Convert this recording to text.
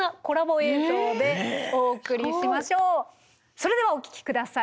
それではお聴き下さい。